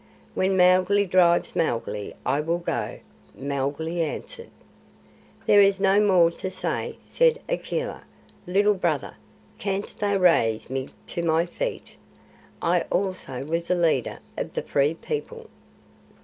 "When Mowgli drives Mowgli I will go," Mowgli answered. "There is no more to say," said Akela. "Little Brother, canst thou raise me to my feet? I also was a leader of the Free People."